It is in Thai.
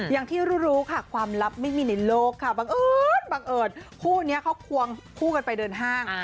อย่างที่รู้ค่ะความลับไม่มีในโลกค่ะบังเอิญบังเอิญคู่นี้เขาควงคู่กันไปเดินห้าง